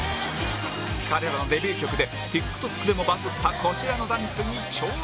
彼らのデビュー曲で ＴｉｋＴｏｋ でもバズったこちらのダンスに挑戦！